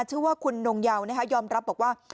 ชื่อว่าคุณนงเยายอมรับบอกว่า